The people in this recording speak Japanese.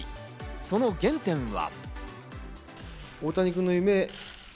その原点は。